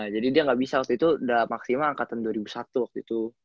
jadi dia gak bisa waktu itu udah maksimal angkatan dua ribu satu waktu itu